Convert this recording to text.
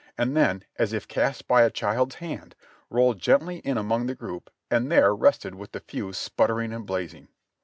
and then, as if cast by a child's hand, rolled gently in among the group and there rested with the fuse sputtering and blazing.